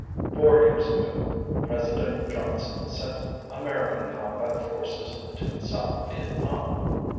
Four years ago, President Johnson sent American combat forces to South Vietnam.